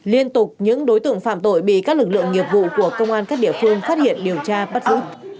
liên tục những đối tượng phạm tội bị các lực lượng nghiệp vụ của công an các địa phương phát hiện điều tra bắt giữ